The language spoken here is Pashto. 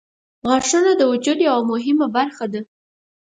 • غاښونه د وجود یوه مهمه برخه ده.